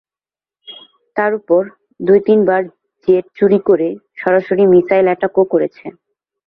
তার উপর, দুই তিনবার জেট চুরি করে সরাসরি মিসাইল অ্যাটাকও করেছে।